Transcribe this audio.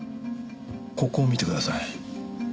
ここを見てください。